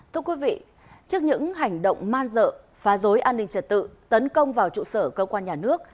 thưa quý vị trước những hành động man dợ phá rối an ninh trật tự tấn công vào trụ sở cơ quan nhà nước